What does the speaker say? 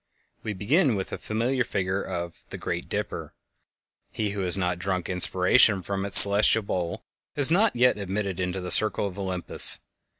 We begin with the familiar figure of the "Great Dipper." He who has not drunk inspiration from its celestial bowl is not yet admitted to the circle of Olympus.